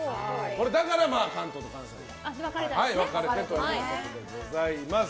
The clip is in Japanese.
だから関東と関西に分かれてということでございます。